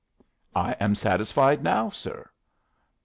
"I am satisfied now, sir."